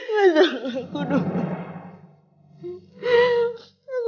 mas bapak aku doang